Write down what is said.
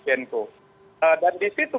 dan di situ